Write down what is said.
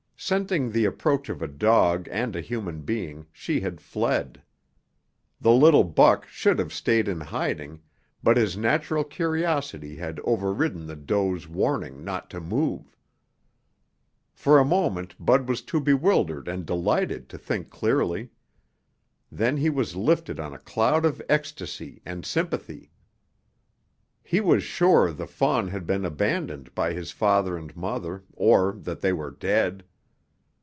Scenting the approach of a dog and a human being, she had fled. The little buck should have stayed in hiding, but his natural curiosity had overridden the doe's warning not to move. For a moment Bud was too bewildered and delighted to think clearly. Then he was lifted on a cloud of ecstasy and sympathy. He was sure the fawn had been abandoned by his father and mother or that they were dead.